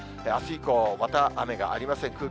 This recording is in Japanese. あす以降、また雨がありません。